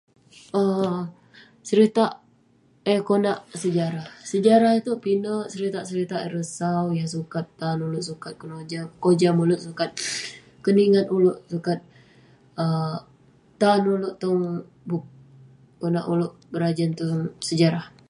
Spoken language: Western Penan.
um Seritak yah konak sejarah. Sejarah itouk pinek seritak seritak ireh sau yah sukat tan ulouk, sukat kenojam- kojam ulouk, sukat keningat ulouk, sukat um tan ulouk tong bup konak ulouk berajan tong sejarah.